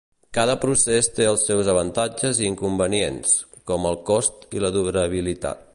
Cada procés té els seus avantatges i inconvenients, com el cost i la durabilitat.